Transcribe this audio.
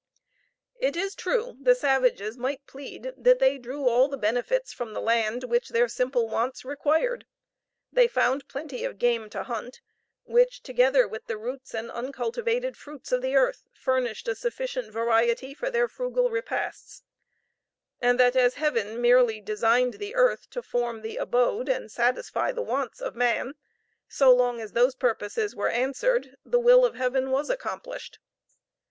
It is true the savages might plead that they drew all the benefits from the land which their simple wants required they found plenty of game to hunt, which, together with the roots and uncultivated fruits of the earth, furnished a sufficient variety for their frugal repasts; and that as Heaven merely designed the earth to form the abode and satisfy the wants of man, so long as those purposes were answered the will of Heaven was accomplished.